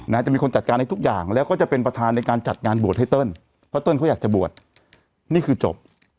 จะมีคนจัดการให้ทุกอย่างแล้วก็จะเป็นประธานในการจัดงานบวชให้เติ้ลเพราะเติ้ลเขาอยากจะบวชนี่คือจบ